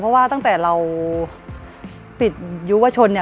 เพราะว่าตั้งแต่เราติดยุวชนเนี่ย